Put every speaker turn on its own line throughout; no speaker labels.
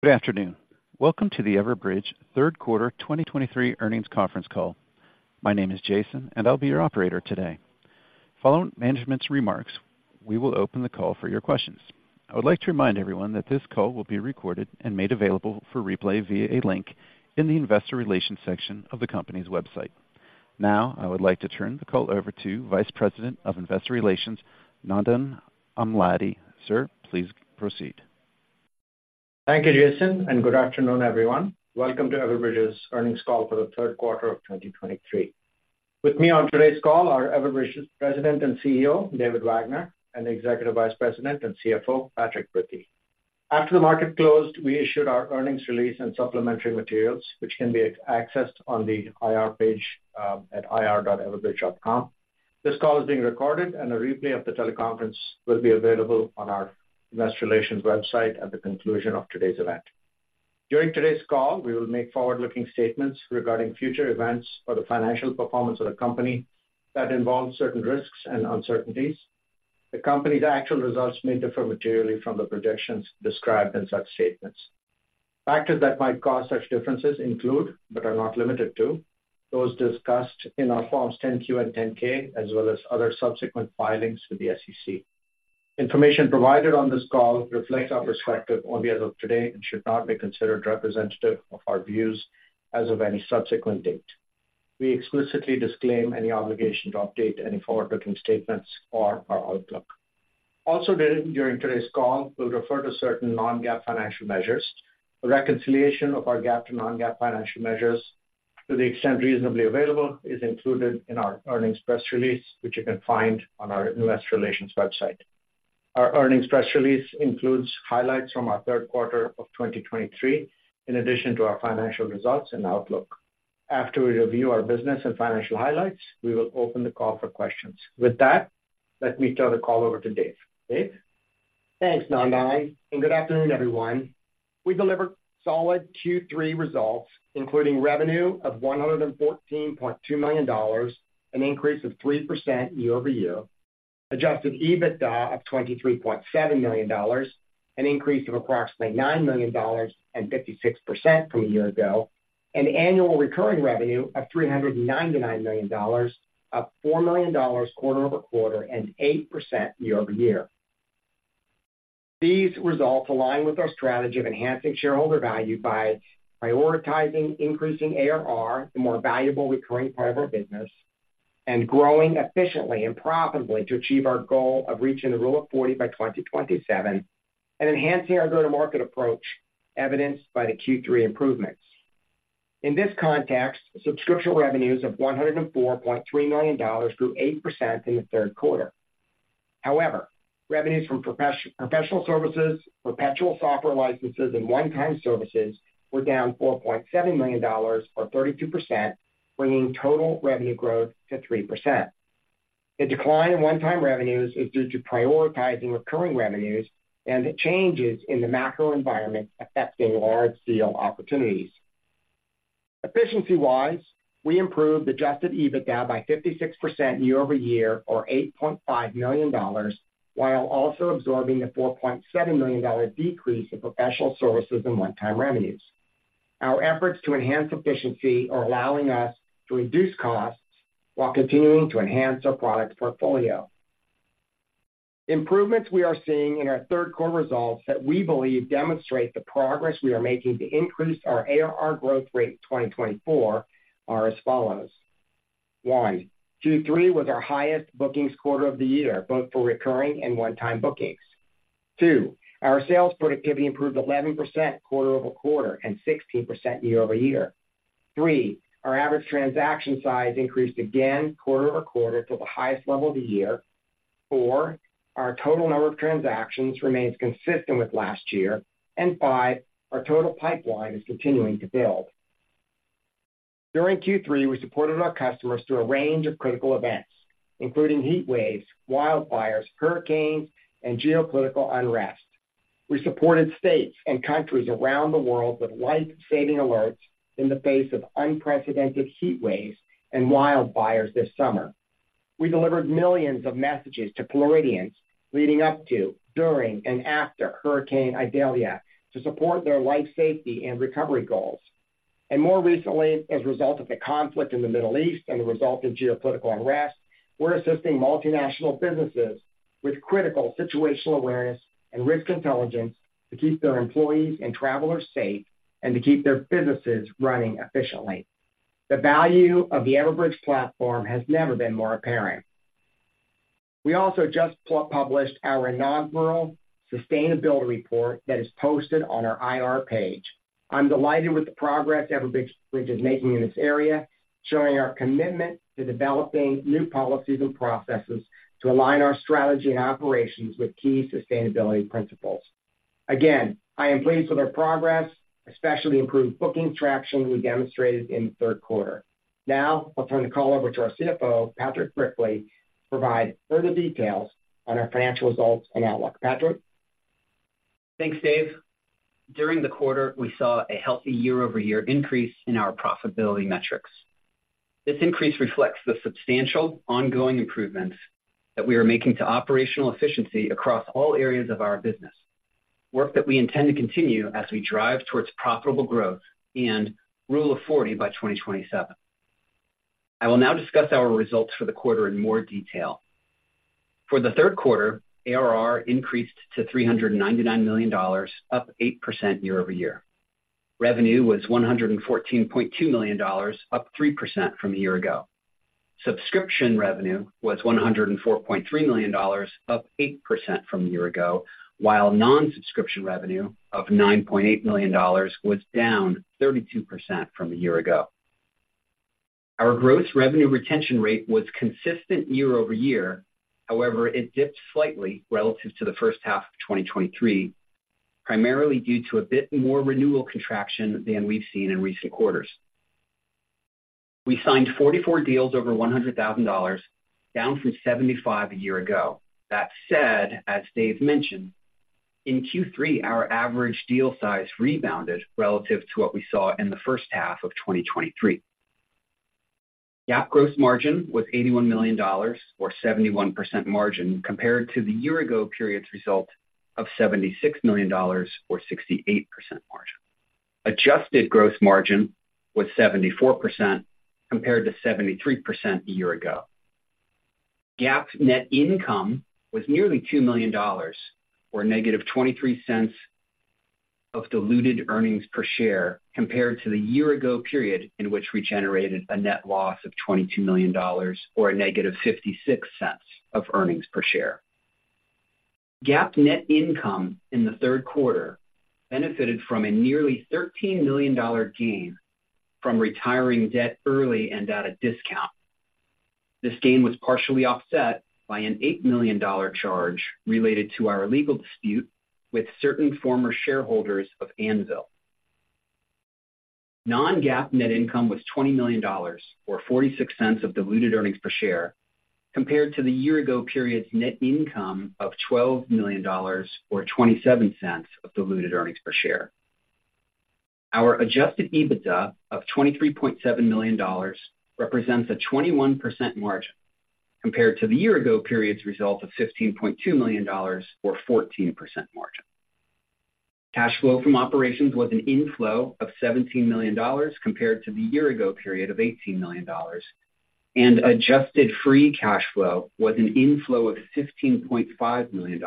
Good afternoon. Welcome to the Everbridge third quarter 2023 earnings conference call. My name is Jason, and I'll be your operator today. Following management's remarks, we will open the call for your questions. I would like to remind everyone that this call will be recorded and made available for replay via a link in the investor relations section of the company's website. Now, I would like to turn the call over to Vice President of Investor Relations, Nandan Amladi. Sir, please proceed.
Thank you, Jason, and good afternoon, everyone. Welcome to Everbridge's earnings call for the third quarter of 2023. With me on today's call are Everbridge's President and CEO, David Wagner, and Executive Vice President and CFO, Patrick Brickley. After the market closed, we issued our earnings release and supplementary materials, which can be accessed on the IR page at ir.everbridge.com. This call is being recorded, and a replay of the teleconference will be available on our investor relations website at the conclusion of today's event. During today's call, we will make forward-looking statements regarding future events or the financial performance of the company that involve certain risks and uncertainties. The company's actual results may differ materially from the projections described in such statements. Factors that might cause such differences include, but are not limited to, those discussed in our Forms 10-Q and 10-K, as well as other subsequent filings with the SEC. Information provided on this call reflects our perspective only as of today and should not be considered representative of our views as of any subsequent date. We explicitly disclaim any obligation to update any forward-looking statements or our outlook. Also, during today's call, we'll refer to certain non-GAAP financial measures. A reconciliation of our GAAP to non-GAAP financial measures, to the extent reasonably available, is included in our earnings press release, which you can find on our Investor Relations website. Our earnings press release includes highlights from our third quarter of 2023, in addition to our financial results and outlook. After we review our business and financial highlights, we will open the call for questions. With that, let me turn the call over to Dave. Dave?
Thanks, Nandan, and good afternoon, everyone. We delivered solid Q3 results, including revenue of $114.2 million, an increase of 3% year-over-year, adjusted EBITDA of $23.7 million, an increase of approximately $9 million and 56% from a year ago, and annual recurring revenue of $399 million, up $4 million quarter-over-quarter and 8% year-over-year. These results align with our strategy of enhancing shareholder value by prioritizing increasing ARR, the more valuable recurring part of our business, and growing efficiently and profitably to achieve our goal of reaching the Rule of 40 by 2027, and enhancing our go-to-market approach, evidenced by the Q3 improvements. In this context, subscription revenues of $104.3 million grew 8% in the third quarter. However, revenues from professional services, perpetual software licenses, and one-time services were down $4.7 million or 32%, bringing total revenue growth to 3%. The decline in one-time revenues is due to prioritizing recurring revenues and the changes in the macro environment affecting large deal opportunities. Efficiency-wise, we improved adjusted EBITDA by 56% year-over-year, or $8.5 million, while also absorbing the $4.7 million decrease in professional services and one-time revenues. Our efforts to enhance efficiency are allowing us to reduce costs while continuing to enhance our product portfolio. Improvements we are seeing in our third quarter results that we believe demonstrate the progress we are making to increase our ARR growth rate in 2024 are as follows: One, Q3 was our highest bookings quarter of the year, both for recurring and one-time bookings. 2, our sales productivity improved 11% quarter-over-quarter and 16% year-over-year. 3, our average transaction size increased again quarter-over-quarter to the highest level of the year. 4, our total number of transactions remains consistent with last year. 5, our total pipeline is continuing to build. During Q3, we supported our customers through a range of critical events, including heat waves, wildfires, hurricanes, and geopolitical unrest. We supported states and countries around the world with life-saving alerts in the face of unprecedented heat waves and wildfires this summer. We delivered millions of messages to Floridians leading up to, during, and after Hurricane Idalia to support their life, safety, and recovery goals. And more recently, as a result of the conflict in the Middle East and the resulting geopolitical unrest, we're assisting multinational businesses with critical situational awareness and risk intelligence to keep their employees and travelers safe and to keep their businesses running efficiently. The value of the Everbridge platform has never been more apparent. We also just published our inaugural sustainability report that is posted on our IR page. I'm delighted with the progress Everbridge is making in this area, showing our commitment to developing new policies and processes to align our strategy and operations with key sustainability principles. Again, I am pleased with our progress, especially improved bookings traction we demonstrated in the third quarter. Now, I'll turn the call over to our CFO, Patrick Brickley, to provide further details on our financial results and outlook. Patrick?
Thanks, Dave. During the quarter, we saw a healthy year-over-year increase in our profitability metrics. This increase reflects the substantial ongoing improvements that we are making to operational efficiency across all areas of our business. Work that we intend to continue as we drive towards profitable growth and Rule of 40 by 2027. I will now discuss our results for the quarter in more detail. For the third quarter, ARR increased to $399 million, up 8% year-over-year. Revenue was $114.2 million, up 3% from a year ago. Subscription revenue was $104.3 million, up 8% from a year ago, while non-subscription revenue of $9.8 million was down 32% from a year ago. Our gross revenue retention rate was consistent year-over-year. However, it dipped slightly relative to the first half of 2023, primarily due to a bit more renewal contraction than we've seen in recent quarters. We signed 44 deals over $100,000, down from 75 a year ago. That said, as Dave mentioned, in Q3, our average deal size rebounded relative to what we saw in the first half of 2023. GAAP gross margin was $81 million, or 71% margin, compared to the year ago period's result of $76 million, or 68% margin. Adjusted gross margin was 74%, compared to 73% a year ago. GAAP net income was nearly $2 million, or -$0.23 diluted earnings per share, compared to the year ago period in which we generated a net loss of $22 million, or a -$0.56 earnings per share. GAAP net income in the third quarter benefited from a nearly $13 million gain from retiring debt early and at a discount. This gain was partially offset by an $8 million charge related to our legal dispute with certain former shareholders of Anvil. Non-GAAP net income was $20 million, or $0.46 of diluted earnings per share, compared to the year-ago period's net income of $12 million, or $0.27 of diluted earnings per share. Our adjusted EBITDA of $23.7 million represents a 21% margin compared to the year-ago period's result of $15.2 million, or 14% margin. Cash flow from operations was an inflow of $17 million compared to the year-ago period of $18 million, and adjusted free cash flow was an inflow of $15.5 million,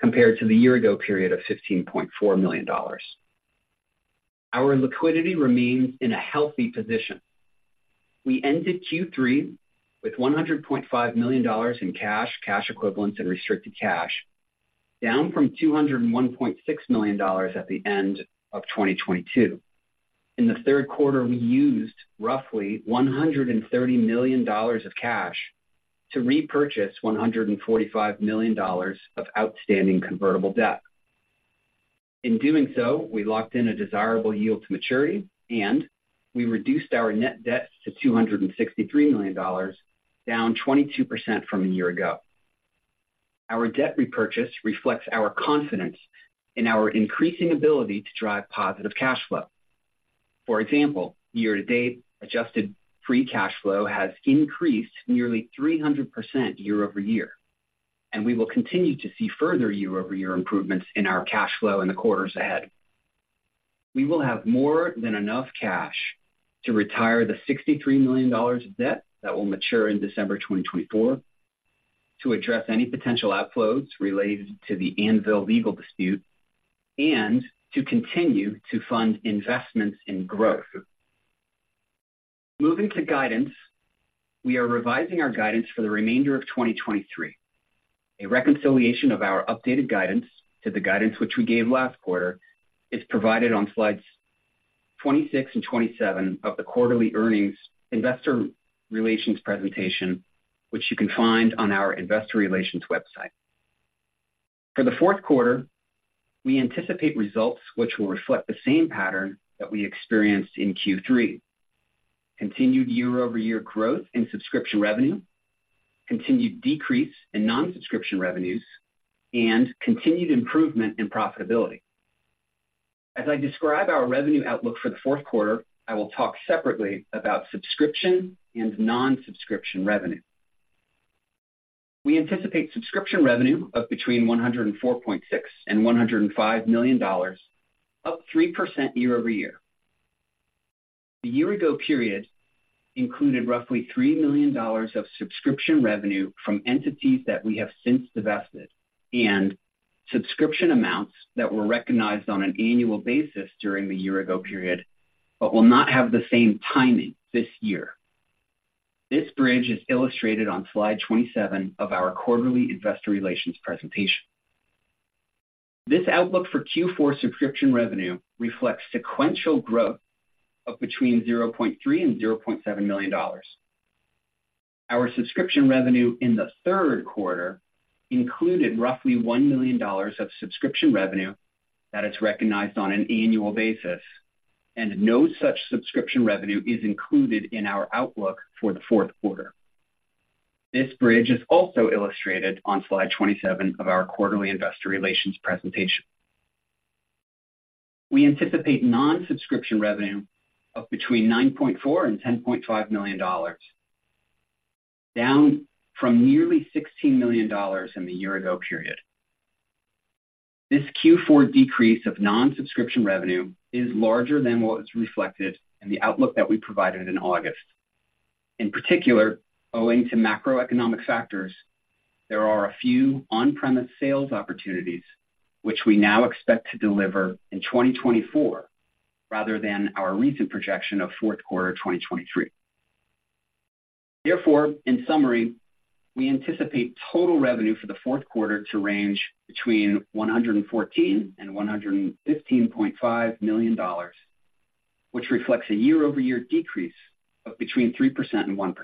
compared to the year-ago period of $15.4 million. Our liquidity remains in a healthy position. We ended Q3 with $100.5 million in cash, cash equivalents, and restricted cash, down from $201.6 million at the end of 2022. In the third quarter, we used roughly $130 million of cash to repurchase $145 million of outstanding convertible debt. In doing so, we locked in a desirable yield to maturity, and we reduced our net debt to $263 million, down 22% from a year ago. Our debt repurchase reflects our confidence in our increasing ability to drive positive cash flow. For example, year-to-date, adjusted free cash flow has increased nearly 300% year-over-year, and we will continue to see further year-over-year improvements in our cash flow in the quarters ahead. We will have more than enough cash to retire the $63 million of debt that will mature in December 2024, to address any potential outflows related to the Anvil legal dispute, and to continue to fund investments in growth. Moving to guidance, we are revising our guidance for the remainder of 2023. A reconciliation of our updated guidance to the guidance which we gave last quarter is provided on slides 26 and 27 of the quarterly earnings investor relations presentation, which you can find on our investor relations website. For the fourth quarter, we anticipate results which will reflect the same pattern that we experienced in Q3. Continued year-over-year growth in subscription revenue, continued decrease in non-subscription revenues, and continued improvement in profitability. As I describe our revenue outlook for the fourth quarter, I will talk separately about subscription and non-subscription revenue. We anticipate subscription revenue of between $104.6 million and $105 million, up 3% year-over-year. The year-ago period included roughly $3 million of subscription revenue from entities that we have since divested, and subscription amounts that were recognized on an annual basis during the year-ago period, but will not have the same timing this year. This bridge is illustrated on slide 27 of our quarterly investor relations presentation. This outlook for Q4 subscription revenue reflects sequential growth of between $0.3 and $0.7 million. Our subscription revenue in the third quarter included roughly $1 million of subscription revenue that is recognized on an annual basis, and no such subscription revenue is included in our outlook for the fourth quarter. This bridge is also illustrated on slide 27 of our quarterly investor relations presentation. We anticipate non-subscription revenue of between $9.4 million and $10.5 million, down from nearly $16 million in the year ago period. This Q4 decrease of non-subscription revenue is larger than what was reflected in the outlook that we provided in August. In particular, owing to macroeconomic factors, there are a few on-premise sales opportunities which we now expect to deliver in 2024, rather than our recent projection of fourth quarter 2023. Therefore, in summary, we anticipate total revenue for the fourth quarter to range between $114 million and $115.5 million, which reflects a year-over-year decrease of between 3% and 1%.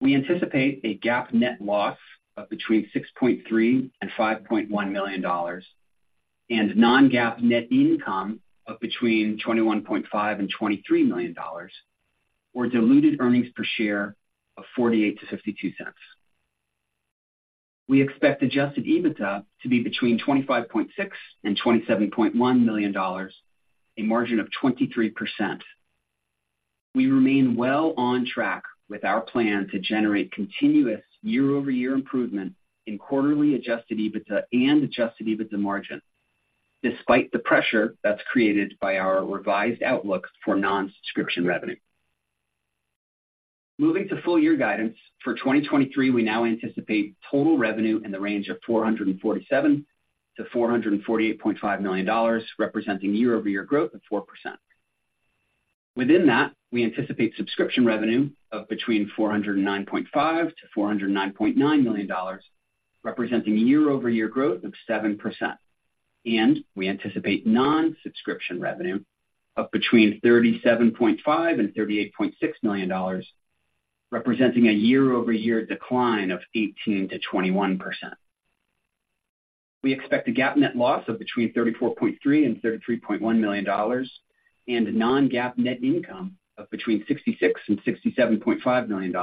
We anticipate a GAAP net loss of between $6.3 million and $5.1 million, and non-GAAP net income of between $21.5 million and $23 million, or diluted earnings per share of $0.48-$0.52. We expect adjusted EBITDA to be between $25.6 million and $27.1 million, a margin of 23%. We remain well on track with our plan to generate continuous year-over-year improvement in quarterly adjusted EBITDA and adjusted EBITDA margin, despite the pressure that's created by our revised outlook for non-subscription revenue. Moving to full year guidance. For 2023, we now anticipate total revenue in the range of $447-$448.5 million, representing year-over-year growth of 4%. Within that, we anticipate subscription revenue of between $409.5 and $409.9 million, representing a year-over-year growth of 7%, and we anticipate non-subscription revenue of between $37.5 and $38.6 million, representing a year-over-year decline of 18%-21%. We expect a GAAP net loss of between $34.3-$33.1 million, and a non-GAAP net income of between $66 and $67.5 million,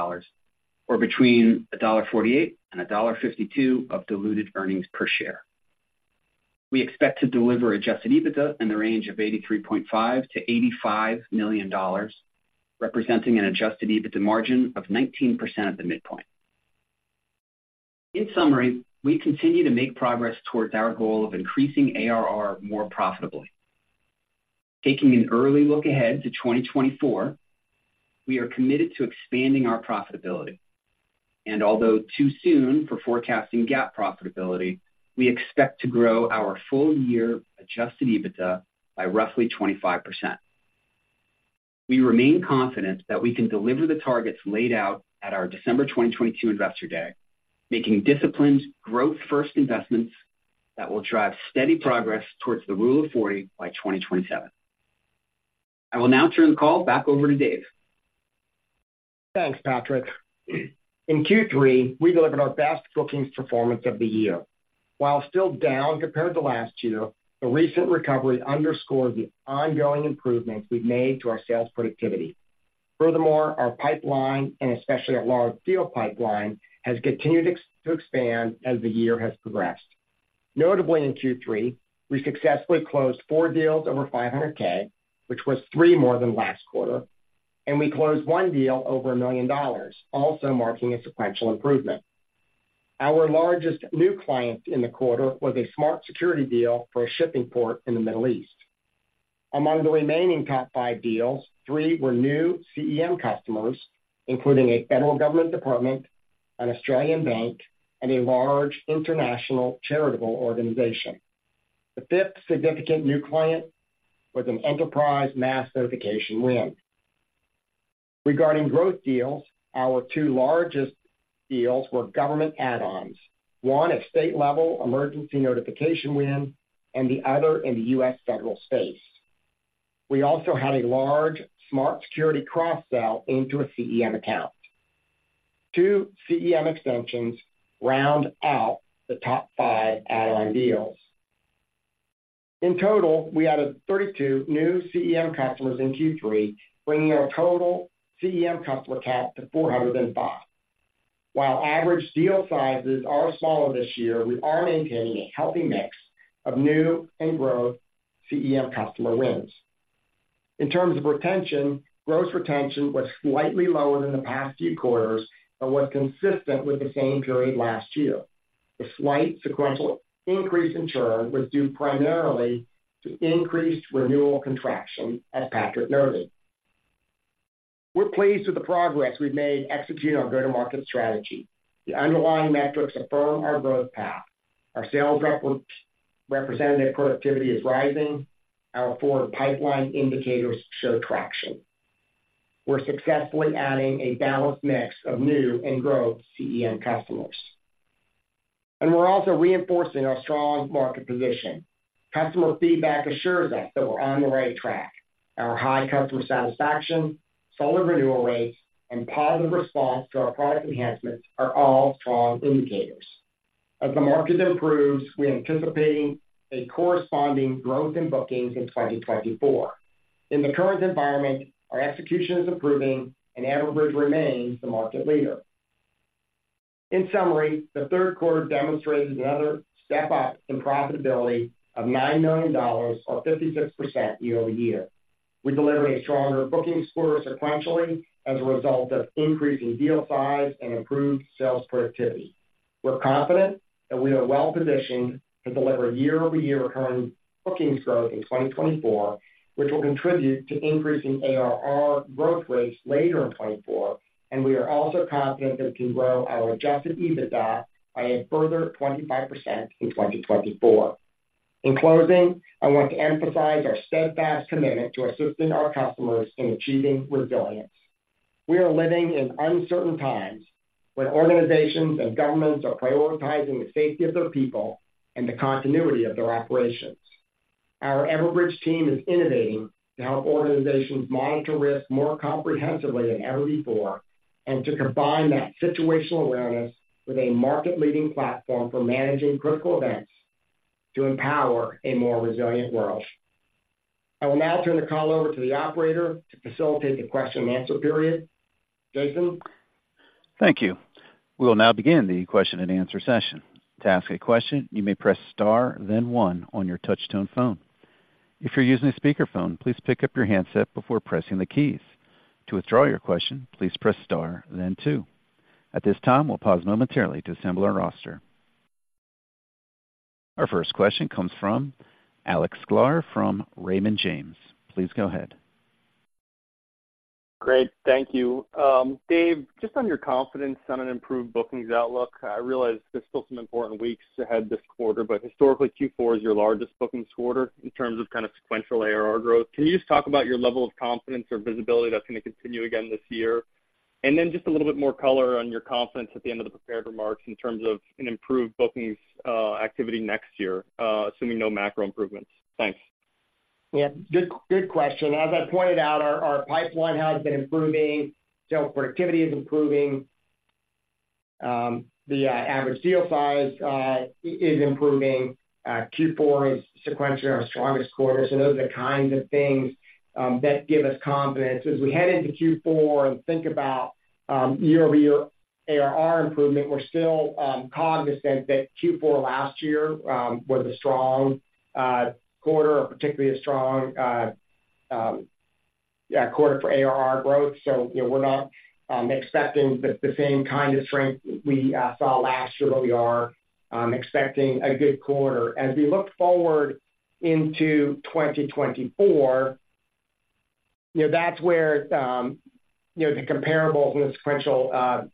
or between $1.48 and $1.52 of diluted earnings per share. We expect to deliver adjusted EBITDA in the range of $83.5 million-$85 million, representing an adjusted EBITDA margin of 19% at the midpoint. In summary, we continue to make progress towards our goal of increasing ARR more profitably. Taking an early look ahead to 2024, we are committed to expanding our profitability, and although too soon for forecasting GAAP profitability, we expect to grow our full year adjusted EBITDA by roughly 25%. We remain confident that we can deliver the targets laid out at our December 2022 Investor Day, making disciplined growth-first investments that will drive steady progress towards the Rule of 40 by 2027. I will now turn the call back over to Dave.
Thanks, Patrick. In Q3, we delivered our best bookings performance of the year. While still down compared to last year, the recent recovery underscored the ongoing improvements we've made to our sales productivity. Furthermore, our pipeline, and especially our large deal pipeline, has continued to expand as the year has progressed. Notably, in Q3, we successfully closed 4 deals over $500K, which was 3 more than last quarter, and we closed 1 deal over $1 million, also marking a sequential improvement. Our largest new client in the quarter was a Smart Security deal for a shipping port in the Middle East. Among the remaining top 5 deals, 3 were new CEM customers, including a federal government department, an Australian bank, and a large international charitable organization. The fifth significant new client was an enterprise Mass Notification win. Regarding growth deals, our two largest deals were government add-ons, one a state-level emergency notification win and the other in the U.S. federal space. We also had a large Smart Security cross-sell into a CEM account. Two CEM extensions round out the top 5 add-on deals. In total, we added 32 new CEM customers in Q3, bringing our total CEM customer count to 405. While average deal sizes are smaller this year, we are maintaining a healthy mix of new and growth CEM customer wins. In terms of retention, gross retention was slightly lower than the past few quarters, but was consistent with the same period last year. The slight sequential increase in churn was due primarily to increased renewal contraction, as Patrick noted. We're pleased with the progress we've made executing our go-to-market strategy. The underlying metrics affirm our growth path. Our sales representative productivity is rising. Our four pipeline indicators show traction. We're successfully adding a balanced mix of new and growth CEM customers, and we're also reinforcing our strong market position. Customer feedback assures us that we're on the right track. Our high customer satisfaction, solid renewal rates, and positive response to our product enhancements are all strong indicators. As the market improves, we are anticipating a corresponding growth in bookings in 2024. In the current environment, our execution is improving, and Everbridge remains the market leader. In summary, the third quarter demonstrated another step up in profitability of $9 million, or 56% year-over-year. We delivered a stronger booking score sequentially as a result of increasing deal size and improved sales productivity. We're confident that we are well positioned to deliver year-over-year recurring bookings growth in 2024, which will contribute to increasing ARR growth rates later in 2024, and we are also confident that we can grow our adjusted EBITDA by a further 25% in 2024. In closing, I want to emphasize our steadfast commitment to assisting our customers in achieving resilience. We are living in uncertain times, where organizations and governments are prioritizing the safety of their people and the continuity of their operations. Our Everbridge team is innovating to help organizations monitor risk more comprehensively than ever before, and to combine that situational awareness with a market-leading platform for managing critical events to empower a more resilient world. I will now turn the call over to the operator to facilitate the question and answer period. Jason?
Thank you. We will now begin the question and answer session. To ask a question, you may press Star, then One on your touchtone phone. If you're using a speakerphone, please pick up your handset before pressing the keys. To withdraw your question, please press Star then Two. At this time, we'll pause momentarily to assemble our roster. Our first question comes from Alex Sklar from Raymond James. Please go ahead.
Great, thank you. Dave, just on your confidence on an improved bookings outlook, I realize there's still some important weeks ahead this quarter, but historically, Q4 is your largest bookings quarter in terms of kind of sequential ARR growth. Can you just talk about your level of confidence or visibility that's going to continue again this year? And then just a little bit more color on your confidence at the end of the prepared remarks in terms of an improved bookings activity next year, assuming no macro improvements. Thanks.
Yeah, good, good question. As I pointed out, our pipeline has been improving, sales productivity is improving, the average deal size is improving. Q4 is sequentially our strongest quarter, so those are the kinds of things that give us confidence. As we head into Q4 and think about year-over-year ARR improvement, we're still cognizant that Q4 last year was a strong quarter, particularly a strong quarter for ARR growth. So, you know, we're not expecting the same kind of strength we saw last year, but we are expecting a good quarter. As we look forward into 2024, you know, that's where, you know, the comparables and the sequential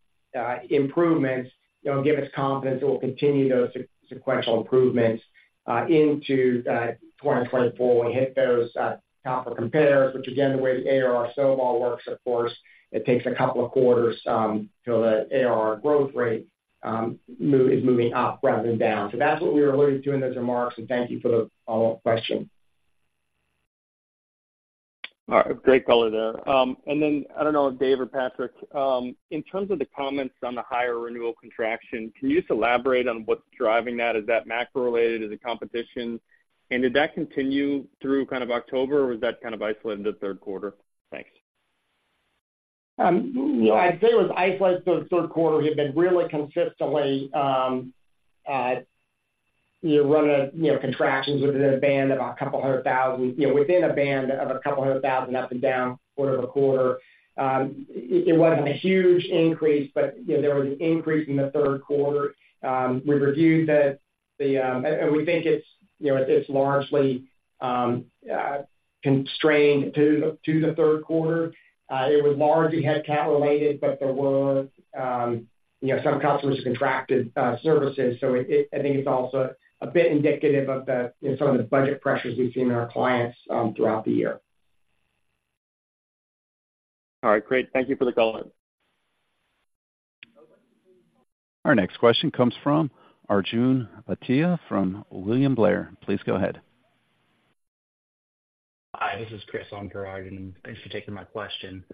improvements, you know, give us confidence that we'll continue those sequential improvements into 2024. We hit those tougher compares, which again, the way the ARR snowball works, of course, it takes a couple of quarters, so that ARR growth rate is moving up rather than down. So that's what we were alluding to in those remarks, and thank you for the follow-up question.
All right. Great color there. Then I don't know if Dave or Patrick, in terms of the comments on the higher renewal contraction, can you just elaborate on what's driving that? Is that macro-related? Is it competition? Did that continue through kind of October, or was that kind of isolated in the third quarter? Thanks.
You know, I'd say it was isolated to the third quarter. We have been really consistently, you know, running, you know, contractions within a band of a couple of hundred thousand dollars up and down, quarter-over-quarter. It wasn't a huge increase, but, you know, there was an increase in the third quarter. We've reviewed and we think it's, you know, it's largely constrained to the third quarter. It was largely headcount related, but there were, you know, some customers who contracted services, so it, I think it's also a bit indicative of the, you know, some of the budget pressures we've seen in our clients, throughout the year.
All right, great. Thank you for the color.
Our next question comes from Arjun Bhatia from William Blair. Please go ahead.
Hi, this is Chris on for Arjun, and thanks for taking my question.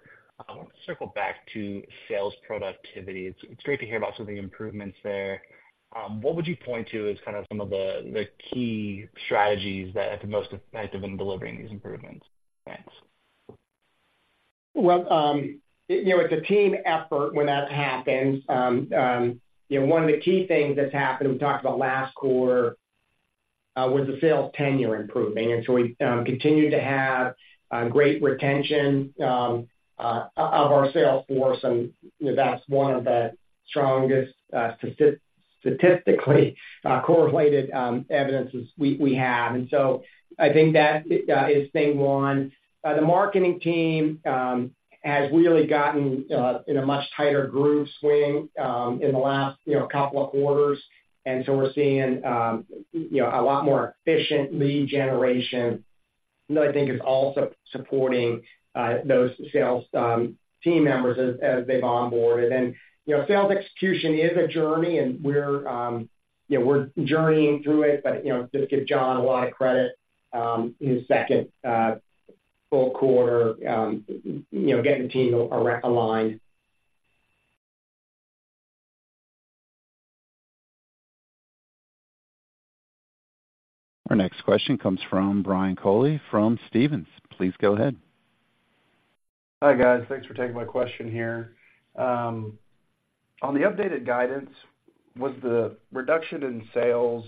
I want to circle back to sales productivity. It's great to hear about some of the improvements there. What would you point to as kind of some of the key strategies that are the most effective in delivering these improvements? Thanks.
Well, you know, it's a team effort when that happens. You know, one of the key things that's happened, we talked about last quarter, was the sales tenure improving. And so we continue to have great retention of our sales force, and, you know, that's one of the strongest statistically correlated evidences we have. And so I think that is thing one. The marketing team has really gotten in a much tighter groove swing in the last, you know, couple of quarters, and so we're seeing, you know, a lot more efficient lead generation. I think it's also supporting those sales team members as they've onboarded. You know, sales execution is a journey, and we're, you know, we're journeying through it, but, you know, just give John a lot of credit in his second full quarter, you know, getting the team aligned.
Our next question comes from Brian Colley from Stephens. Please go ahead.
Hi, guys. Thanks for taking my question here. On the updated guidance, was the reduction in sales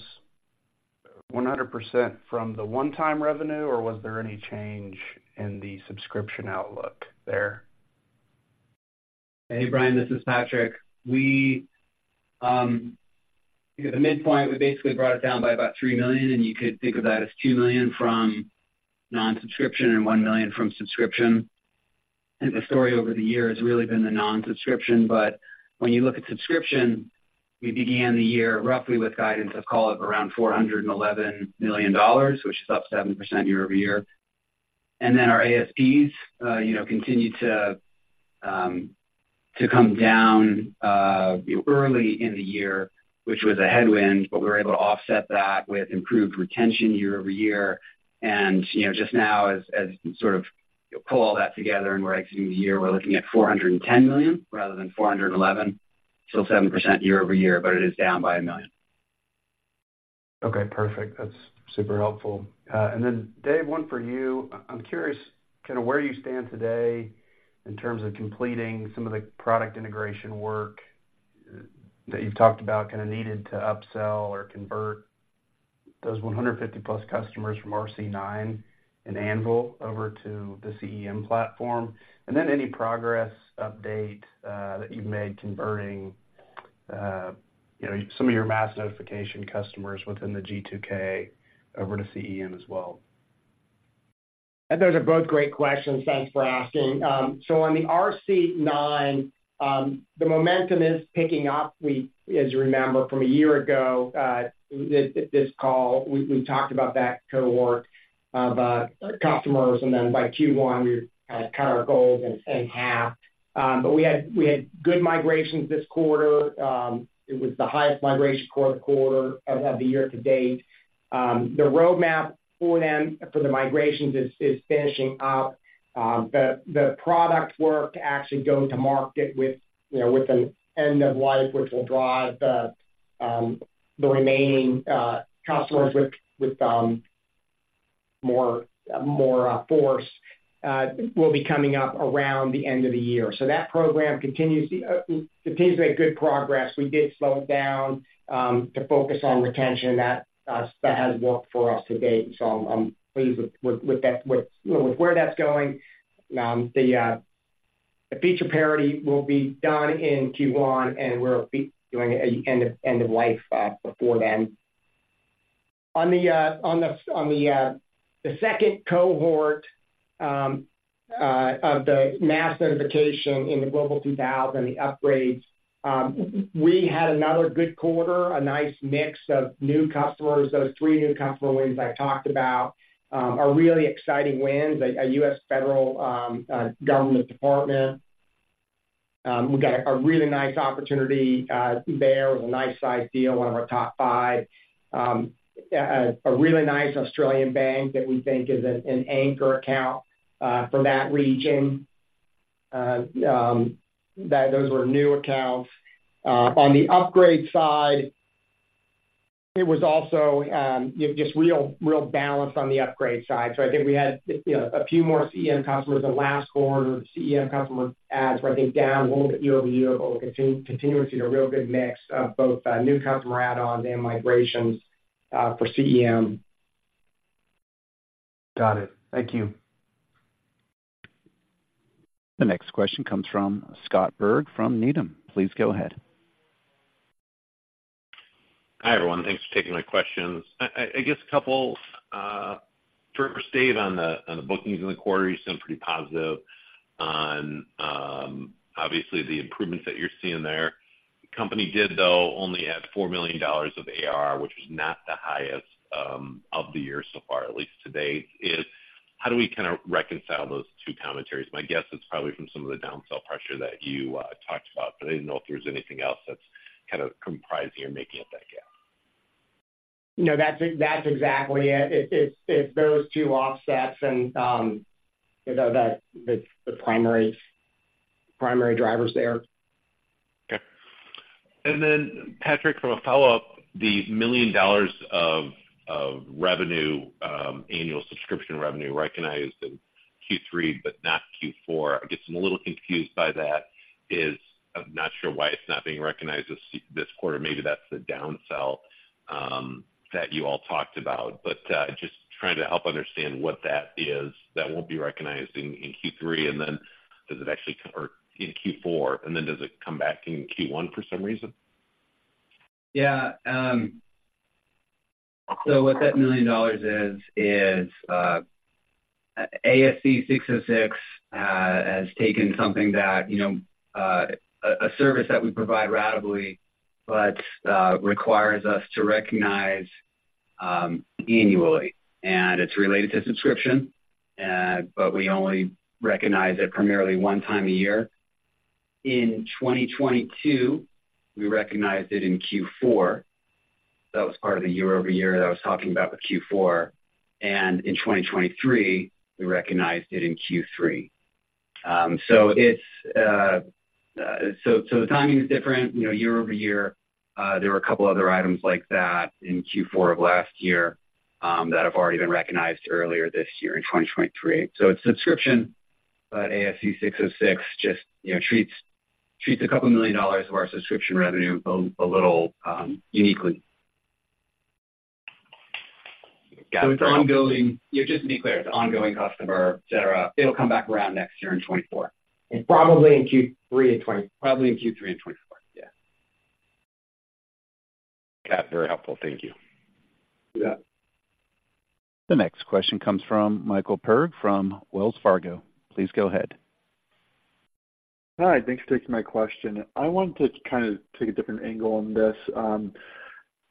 100% from the one-time revenue, or was there any change in the subscription outlook there?
Hey, Brian, this is Patrick. We, you know, the midpoint, we basically brought it down by about $3 million, and you could think of that as $2 million from non-subscription and $1 million from subscription. And the story over the years has really been the non-subscription, but when you look at subscription, we began the year roughly with guidance of call it around $411 million, which is up 7% year-over-year. And then our ASPs, you know, continued to come down early in the year, which was a headwind, but we were able to offset that with improved retention year-over-year. And, you know, just now, as we sort of pull all that together and we're exiting the year, we're looking at $410 million rather than $411 million. 7% year-over-year, but it is down by $1 million.
Okay, perfect. That's super helpful. And then, Dave, one for you. I'm curious kind of where you stand today in terms of completing some of the product integration work that you've talked about, kind of needed to upsell or convert those 150-plus customers from RC9 and Anvil over to the CEM platform. And then any progress update that you've made converting some of your mass notification customers within the G2K over to CEM as well.
Those are both great questions. Thanks for asking. So on the RC9, the momentum is picking up. We, as you remember from a year ago, at this call, we talked about that cohort of customers, and then by Q1, we had cut our goals in half. But we had good migrations this quarter. It was the highest migration quarter of the year to date. The roadmap for them, for the migrations is finishing up. The product work to actually go to market with, you know, with an end-of-life, which will drive the remaining customers with more force, will be coming up around the end of the year. So that program continues to make good progress. We did slow it down to focus on retention, and that has worked for us to date, so I'm pleased with that, with where that's going. The feature parity will be done in Q1, and we'll be doing an end-of-life before then. On the second cohort of the mass notification in the Global 2000, the upgrades, we had another good quarter, a nice mix of new customers. Those three new customer wins I talked about are really exciting wins. A U.S. federal government department. We've got a really nice opportunity there. It was a nice-sized deal, one of our top five. A really nice Australian bank that we think is an anchor account for that region. Those were new accounts. On the upgrade side, it was also just real balance on the upgrade side. So I think we had, you know, a few more CEM customers than last quarter. The CEM customer adds were, I think, down a little bit year-over-year, but we're continuing to see a real good mix of both new customer add-ons and migrations for CEM.
Got it. Thank you.
The next question comes from Scott Berg from Needham. Please go ahead.
Hi, everyone. Thanks for taking my questions. I guess a couple for on the bookings in the quarter. You sound pretty positive on obviously the improvements that you're seeing there. The company did though only add $4 million of ARR, which was not the highest of the year so far, at least to date. How do we kind of reconcile those two commentaries? My guess is probably from some of the downsell pressure that you talked about, but I didn't know if there was anything else that's kind of comprising or making up that gap.
No, that's exactly it. It's those two offsets and, you know, the primary drivers there.
Okay. And then, Patrick, from a follow-up, the $1 million of revenue, annual subscription revenue recognized in Q3, but not Q4. I guess I'm a little confused by that. Is... I'm not sure why it's not being recognized this, this quarter. Maybe that's the downsell that you all talked about, but just trying to help understand what that is that won't be recognized in Q3, and then does it actually-- or in Q4, and then does it come back in Q1 for some reason?
Yeah. So what that $1 million is, is ASC 606 has taken something that, you know, a service that we provide ratably but requires us to recognize annually, and it's related to subscription, but we only recognize it primarily one time a year. In 2022, we recognized it in Q4. That was part of the year-over-year that I was talking about with Q4. And in 2023, we recognized it in Q3. So the timing is different, you know, year-over-year. There were a couple other items like that in Q4 of last year that have already been recognized earlier this year in 2023. So it's subscription, but ASC 606 just, you know, treats $2 million of our subscription revenue a little uniquely.
It's ongoing. Just to be clear, it's ongoing customer, et cetera. It'll come back around next year in 2024.
Probably in Q3 in twenty-
Probably in Q3 in 2024. Yeah.
Kat, very helpful. Thank you.
Yeah.
The next question comes from Michael Berg from Wells Fargo. Please go ahead.
Hi, thanks for taking my question. I wanted to kind of take a different angle on this.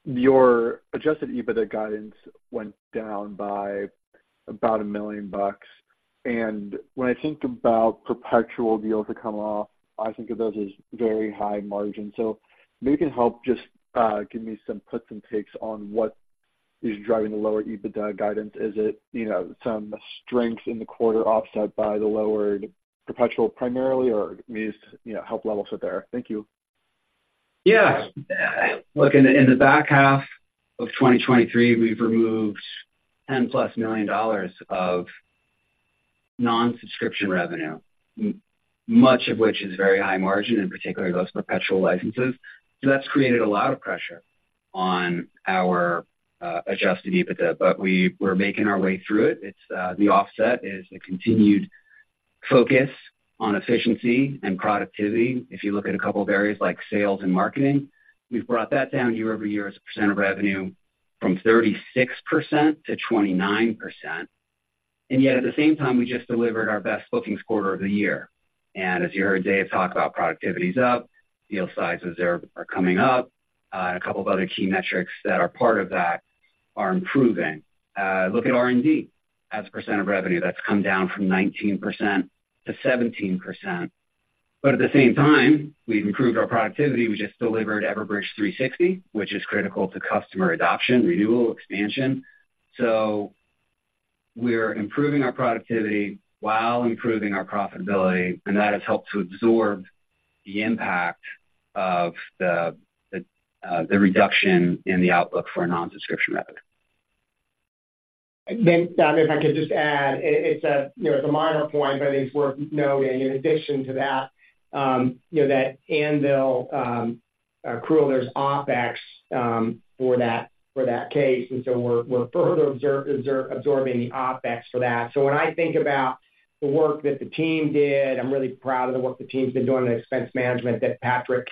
Your adjusted EBITDA guidance went down by about $1 million, and when I think about perpetual deals that come off, I think of those as very high margin. So maybe you can help just, give me some puts and takes on what is driving the lower EBITDA guidance. Is it, you know, some strength in the quarter offset by the lowered perpetual, primarily, or maybe, you know, help level sit there? Thank you.
Yeah. Look, in the back half of 2023, we've removed $10+ million of non-subscription revenue, much of which is very high margin, in particular, those perpetual licenses. So that's created a lot of pressure on our adjusted EBITDA, but we're making our way through it. It's the offset is a continued focus on efficiency and productivity. If you look at a couple of areas like sales and marketing, we've brought that down year-over-year as a percent of revenue from 36% to 29%. And yet, at the same time, we just delivered our best bookings quarter of the year. And as you heard Dave talk about, productivity is up, deal sizes are coming up, and a couple of other key metrics that are part of that are improving. Look at R&D. As a percent of revenue, that's come down from 19% to 17%. But at the same time, we've improved our productivity. We just delivered Everbridge 360, which is critical to customer adoption, renewal, expansion. So we're improving our productivity while improving our profitability, and that has helped to absorb the impact of the reduction in the outlook for a non-subscription revenue.
Then, if I could just add, it, it's a, you know, it's a minor point, but I think it's worth noting. In addition to that, you know, that Anvil accrual, there's OpEx for that, for that case, and so we're, we're further absorbing the OpEx for that. So when I think about the work that the team did, I'm really proud of the work the team's been doing, the expense management that Patrick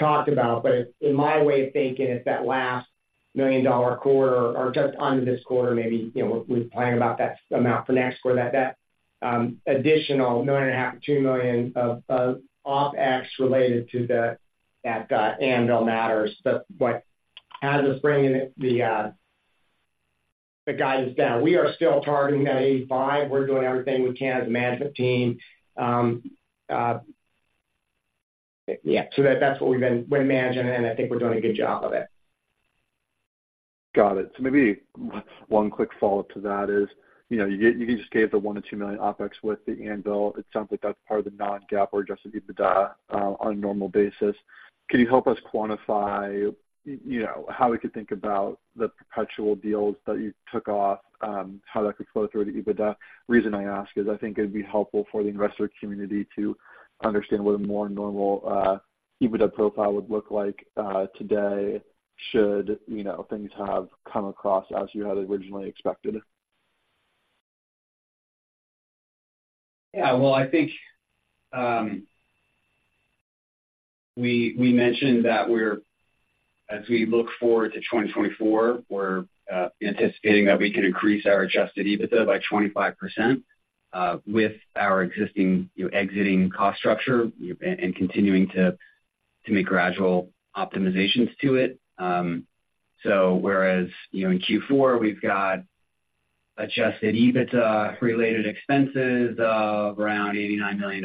talked about. But in my way of thinking, it's that last $1 million quarter or just under this quarter, maybe, you know, we're, we're planning about that amount for next quarter, that, that additional $1.5 million-$2 million of OpEx related to the, that Anvil matters. But, but as it's bringing the, the guidance down, we are still targeting that 85. We're doing everything we can as a management team. Yeah, so that's what we've been managing, and I think we're doing a good job of it.
Got it. So maybe one quick follow-up to that is, you know, you just gave the $1 million-$2 million OpEx with the Anvil. It sounds like that's part of the non-GAAP or adjusted EBITDA on a normal basis. Can you help us quantify, you know, how we could think about the perpetual deals that you took off, how that could flow through to the EBITDA? Reason I ask is I think it'd be helpful for the investor community to understand what a more normal EBITDA profile would look like today, should, you know, things have come across as you had originally expected.
Yeah, well, I think, we mentioned that we're as we look forward to 2024, we're anticipating that we can increase our adjusted EBITDA by 25%, with our existing, you know, existing cost structure and continuing to make gradual optimizations to it. So whereas, you know, in Q4, we've got adjusted EBITDA-related expenses of around $89 million.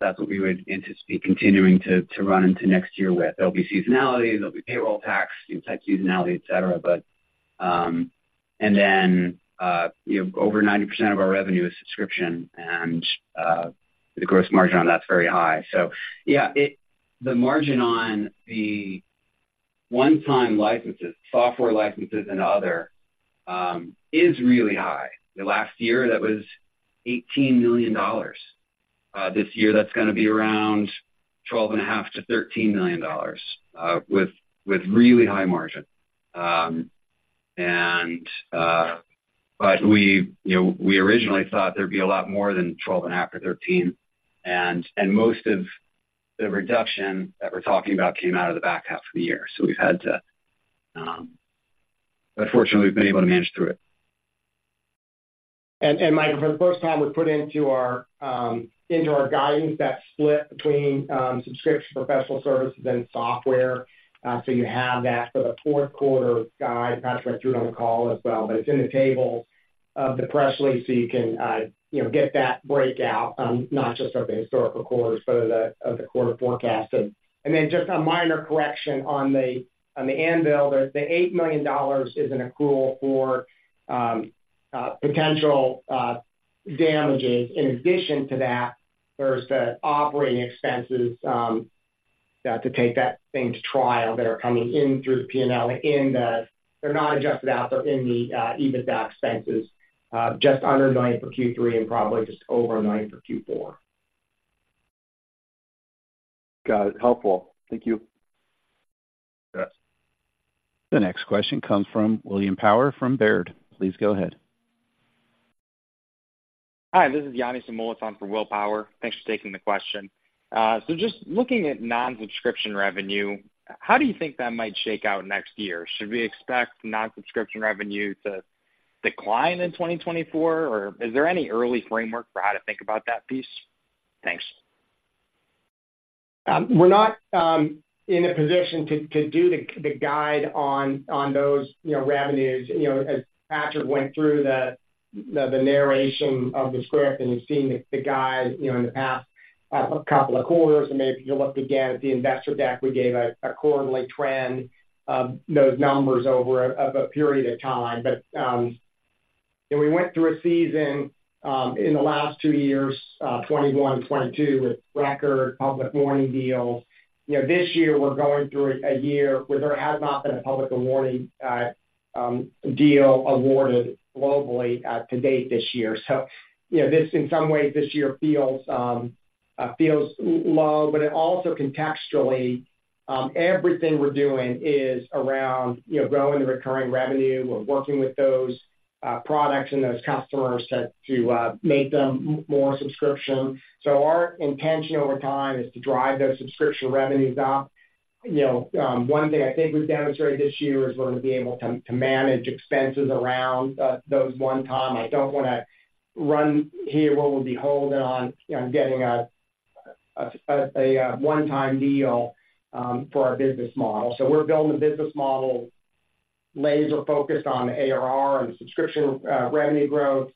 That's what we would anticipate continuing to run into next year with. There'll be seasonality, there'll be payroll tax, you know, tax seasonality, et cetera. But... And then, you know, over 90% of our revenue is subscription, and the gross margin on that's very high. So yeah, it-- the margin on the one-time licenses, software licenses and other is really high. The last year, that was $18 million. This year, that's gonna be around $12.5 million-$13 million with really high margin. But we, you know, we originally thought there'd be a lot more than $12.5 million-$13 million, and most of the reduction that we're talking about came out of the back half of the year. So we've had to. But fortunately, we've been able to manage through it.
and Michael, for the first time, we put into our guidance that split between subscription, professional services, and software. So you have that for the fourth quarter guide. Patrick, I threw it on the call as well, but it's in the table of the press release, so you can, you know, get that breakout, not just of the historical quarters, but of the quarter forecast. And then just a minor correction on the Anvil. The $8 million is an accrual for potential damages. In addition to that, there's the operating expenses that to take that thing to trial that are coming in through the P&L in the, they're not adjusted out, but in the EBITDA expenses, just under $9 million for Q3 and probably just over $9 million for Q4.
Got it. Helpful. Thank you.
Yes.
The next question comes from William Power from Baird. Please go ahead.
Hi, this is Yanni Samoilis for William Power. Thanks for taking the question. So just looking at non-subscription revenue, how do you think that might shake out next year? Should we expect non-subscription revenue to decline in 2024, or is there any early framework for how to think about that piece? Thanks.
We're not in a position to do the guide on those, you know, revenues. You know, as Patrick went through the narration of the script, and you've seen the guide, you know, in the past couple of quarters, and maybe if you looked again at the investor deck, we gave a quarterly trend of those numbers over a period of time. But we went through a season in the last two years, 2021 and 2022, with record Public Warning deals. You know, this year we're going through a year where there has not been a Public Warning deal awarded globally to date this year. So, you know, this in some ways this year feels low, but it also contextually, everything we're doing is around, you know, growing the recurring revenue. We're working with those products and those customers to make them more subscription. So our intention over time is to drive those subscription revenues up. You know, one thing I think we've demonstrated this year is we're gonna be able to manage expenses around those one-time. I don't wanna run here where we'll be holding on getting a one-time deal for our business model. So we're building a business model laser-focused on ARR and subscription revenue growth.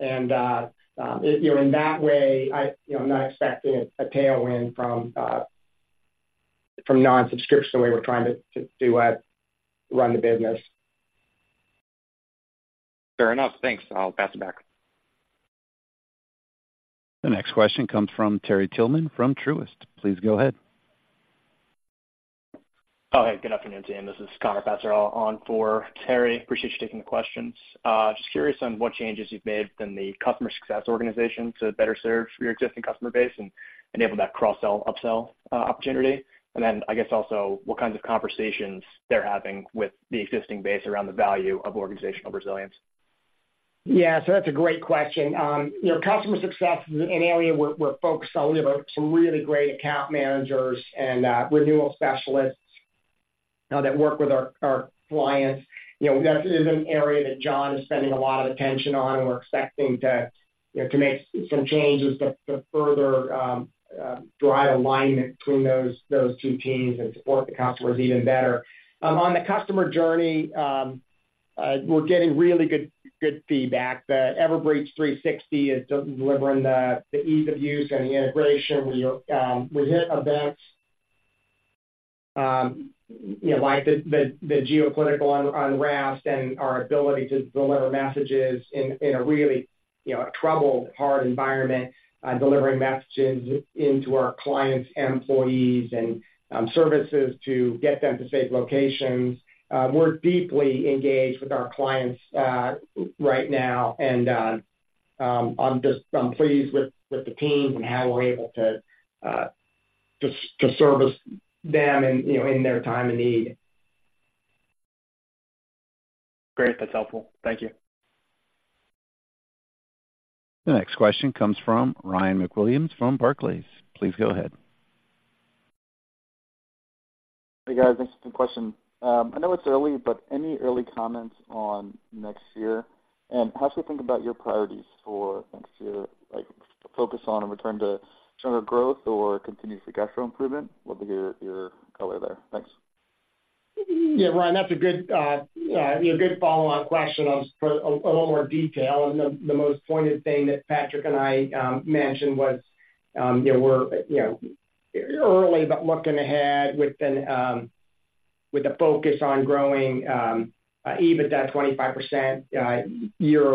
And, you know, in that way, I, you know, I'm not expecting a tailwind from non-subscription the way we're trying to run the business.
Fair enough. Thanks. I'll pass it back.
The next question comes from Terry Tillman from Truist. Please go ahead.
Oh, hey, good afternoon, team. This is Connor Passarella on for Terry. Appreciate you taking the questions. Just curious on what changes you've made in the customer success organization to better serve your existing customer base and enable that cross-sell, upsell, opportunity. And then, I guess, also, what kinds of conversations they're having with the existing base around the value of organizational resilience?
Yeah, so that's a great question. You know, customer success is an area where we're focused on. We have some really great account managers and renewal specialists that work with our clients. You know, that is an area that John is spending a lot of attention on, and we're expecting to make some changes to further drive alignment between those two teams and support the customers even better. On the customer journey, we're getting really good feedback. The Everbridge 360 is delivering the ease of use and the integration. We hit events, you know, like the geopolitical unrest and our ability to deliver messages in a really, you know, a troubled, hard environment, delivering messages into our clients, employees, and services to get them to safe locations. We're deeply engaged with our clients right now, and I'm pleased with the teams and how we're able to service them in, you know, in their time of need.
Great. That's helpful. Thank you.
The next question comes from Ryan MacWilliams from Barclays. Please go ahead.
Hey, guys. Thanks for the question. I know it's early, but any early comments on next year, and how should we think about your priorities for next year? Like, focus on a return to stronger growth or continuous sequential improvement? Love to hear your color there. Thanks.
Yeah, Ryan, that's a good follow-up question. I'll put a little more detail. And the most pointed thing that Patrick and I mentioned was, you know, we're, you know, early, but looking ahead with a focus on growing EBITDA 25% year-over-year.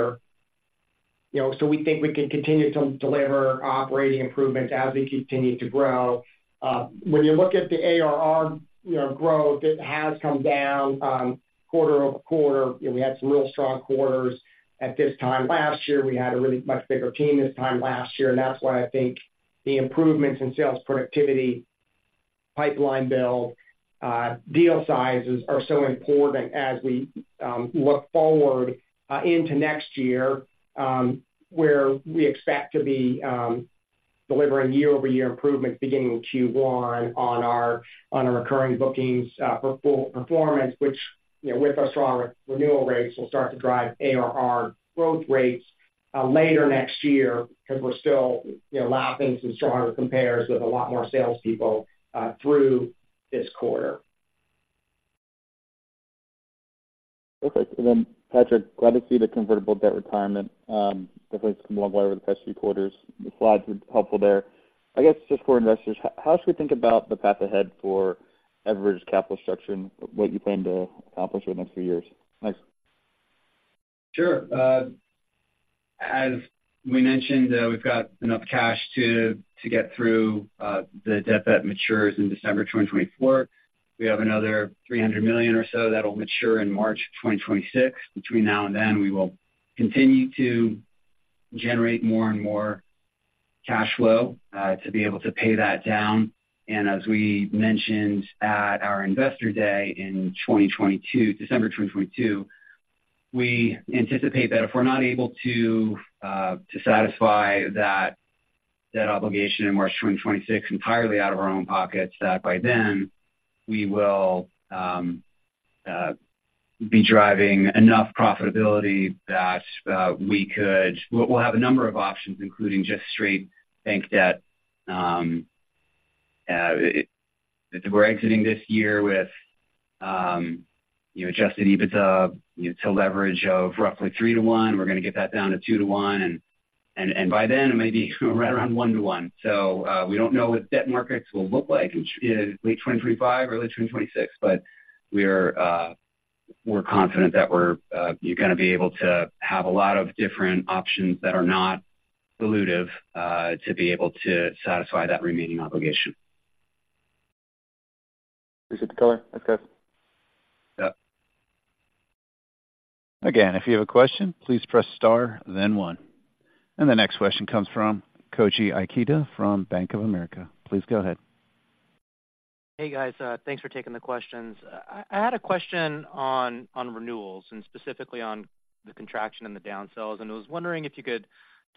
You know, so we think we can continue to deliver operating improvements as we continue to grow. When you look at the ARR, you know, growth, it has come down quarter-over-quarter. You know, we had some real strong quarters at this time last year. We had a really much bigger team this time last year, and that's why I think the improvements in sales productivity, pipeline build, deal sizes are so important as we look forward into next year, where we expect to be delivering year-over-year improvements beginning in Q1 on our, on our recurring bookings for full performance, which, you know, with our strong renewal rates, will start to drive ARR growth rates later next year, because we're still, you know, lapping some stronger compares with a lot more salespeople through this quarter.
Perfect. And then, Patrick, glad to see the convertible debt retirement, definitely some over the past few quarters. The slides were helpful there. I guess, just for investors, how should we think about the path ahead for Everbridge capital structure and what you plan to accomplish over the next few years? Thanks.
Sure. As we mentioned, we've got enough cash to get through the debt that matures in December 2024. We have another $300 million or so that'll mature in March 2026. Between now and then, we will continue to generate more and more cash flow to be able to pay that down. And as we mentioned at our Investor Day in 2022, December 2022, we anticipate that if we're not able to satisfy that obligation in March 2026 entirely out of our own pockets, that by then we will be driving enough profitability that we could-- we'll have a number of options, including just straight bank debt. We're exiting this year with, you know, adjusted EBITDA, you know, to leverage of roughly 3-to-1.
We're gonna get that down to 2 to 1, and by then, it may be right around 1 to 1. So, we don't know what debt markets will look like in late 2025 or late 2026, but we're confident that we're gonna be able to have a lot of different options that are not dilutive to be able to satisfy that remaining obligation.
Appreciate the color. Thanks, guys.
Yeah.
Again, if you have a question, please press Star, then one. The next question comes from Koji Ikeda from Bank of America. Please go ahead.
Hey, guys. Thanks for taking the questions. I had a question on renewals and specifically on the contraction and the downsells, and I was wondering if you could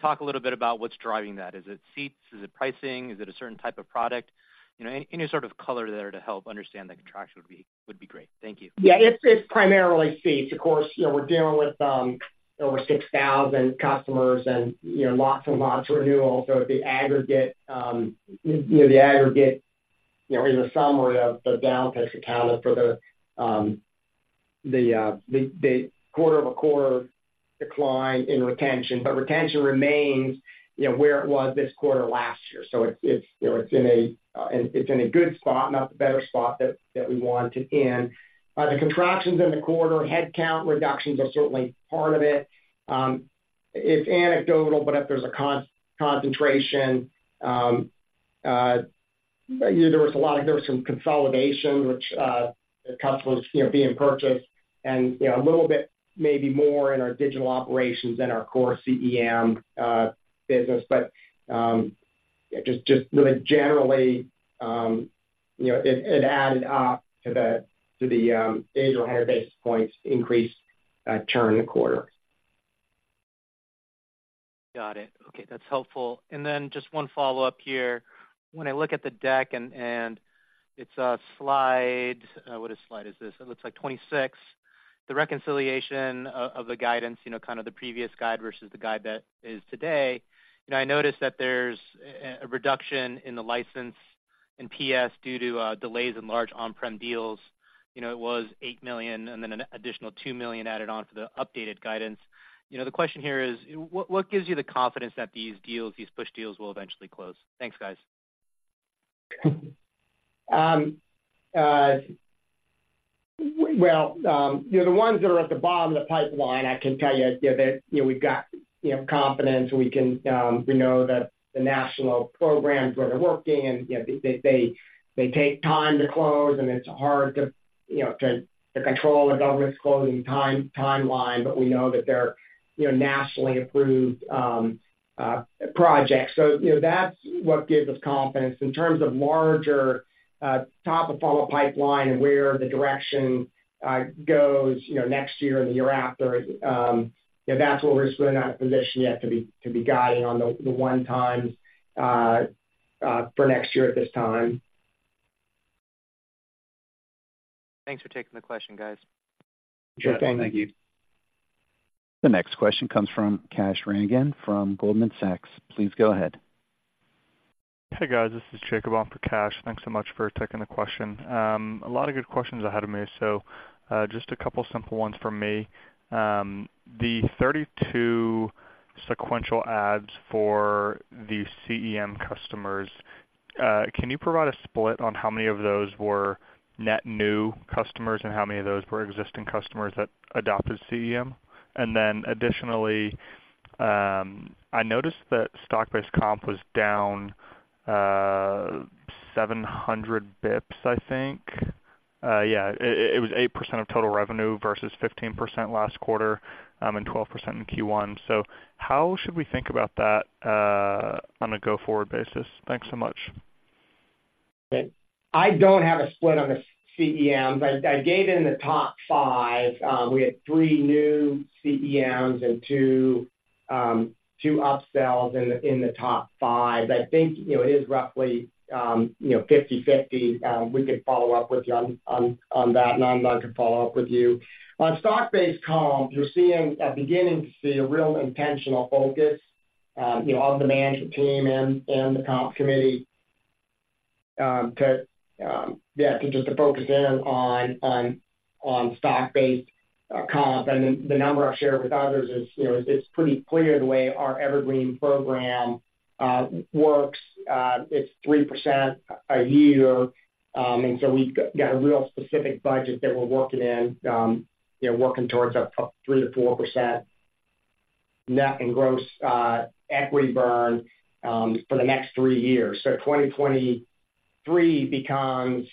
talk a little bit about what's driving that. Is it seats? Is it pricing? Is it a certain type of product? You know, any sort of color there to help understand the contraction would be great. Thank you.
Yeah, it's, it's primarily seats. Of course, you know, we're dealing with over 6,000 customers and, you know, lots and lots of renewals. So the aggregate, you know, the aggregate, you know, in the summary of the down pace accounted for the, the quarter-over-quarter decline in retention. But retention remains, you know, where it was this quarter last year. So it's, it's, you know, it's in a, it's in a good spot, not the better spot that, that we want it in. The contractions in the quarter, headcount reductions are certainly part of it. It's anecdotal, but if there's a concentration, you know, there was a lot of... There was some consolidation, which, the customers, you know, being purchased and, you know, a little bit maybe more in our digital operations than our core CEM business. But just generally, you know, it added up to the 8 or 100 basis points increased churn in the quarter.
Got it. Okay, that's helpful. Then just one follow-up here. When I look at the deck and it's slide, what is slide is this? It looks like 26. The reconciliation of the guidance, you know, kind of the previous guide versus the guide that is today, you know, I noticed that there's a reduction in the license in PS due to delays in large on-prem deals. You know, it was $8 million, and then an additional $2 million added on for the updated guidance. You know, the question here is: What gives you the confidence that these deals, these push deals, will eventually close? Thanks, guys.
Well, you know, the ones that are at the bottom of the pipeline, I can tell you that, you know, we've got, you know, confidence. We can, we know that the national programs where they're working and, you know, they take time to close, and it's hard to, you know, to control the government's closing timeline, but we know that they're, you know, nationally approved projects. So, you know, that's what gives us confidence. In terms of larger, top-of-funnel pipeline and where the direction goes, you know, next year and the year after, you know, that's where we're just not in a position yet to be guiding on the one-time for next year at this time.
Thanks for taking the question, guys.
Sure thing. Thank you.
The next question comes from Kash Rangan from Goldman Sachs. Please go ahead.
Hey, guys. This is Jacob on for Kash. Thanks so much for taking the question. A lot of good questions ahead of me, so just a couple simple ones from me. The 32 sequential adds for the CEM customers, can you provide a split on how many of those were net new customers and how many of those were existing customers that adopted CEM? And then additionally, I noticed that stock-based comp was down 700 basis points, I think. Yeah, it was 8% of total revenue versus 15% last quarter, and 12% in Q1. So how should we think about that on a go-forward basis? Thanks so much.
I don't have a split on the CEM, but I gave it in the top five. We had three new CEMs and two, two upsells in the, in the top five. I think, you know, it is roughly, you know, 50/50. We could follow up with you on, on, on that, and I'm going to follow up with you. On stock-based comp, you're seeing, beginning to see a real intentional focus, you know, on the management team and, and the comp committee, to, yeah, to just to focus in on, on, on stock-based, comp. And the number I've shared with others is, you know, it's pretty clear the way our Evergreen program, works. It's 3% a year, and so we've got a real specific budget that we're working in, you know, working towards a 3%-4% net and gross equity burn for the next three years. So 2023 becomes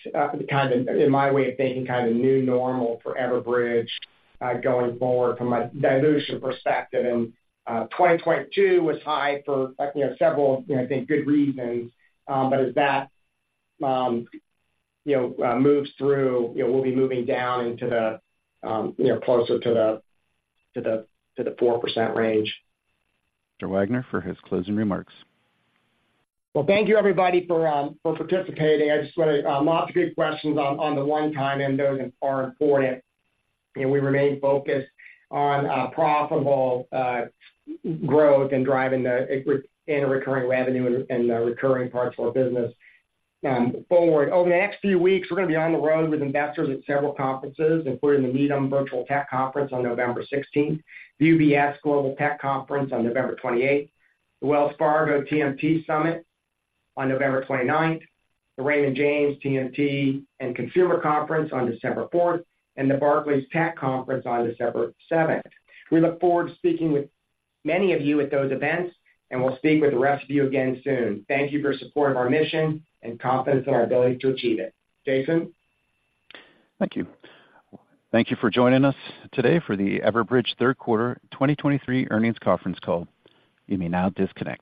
kind of, in my way of thinking, kind of new normal for Everbridge going forward from a dilution perspective. And 2022 was high for, you know, several, you know, I think, good reasons. But as that moves through, you know, we'll be moving down into the you know closer to the 4% range.
Mr. Wagner, for his closing remarks. Well, thank you, everybody, for for participating. I just want to... Lots of good questions on, on the one-time and those are important, and we remain focused on profitable growth and driving the re- and recurring revenue and, and the recurring parts of our business forward. Over the next few weeks, we're gonna be on the road with investors at several conferences, including the Needham Virtual Tech Conference on November 16, the UBS Global Tech Conference on November 28, the Wells Fargo TMT Summit on November 29, the Raymond James TMT & Consumer Conference on December 4, and the Barclays Tech Conference on December 7. We look forward to speaking with many of you at those events, and we'll speak with the rest of you again soon. Thank you for your support of our mission and confidence in our ability to achieve it. Jason? Thank you. Thank you for joining us today for the Everbridge third quarter 2023 earnings conference call. You may now disconnect.